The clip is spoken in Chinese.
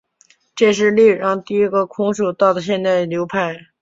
这也是历史上第一个空手道的现代流派。